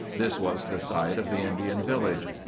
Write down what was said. This was the site of the Indian village.